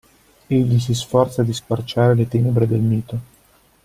Egli si sforza di squarciare le tenebre del mito.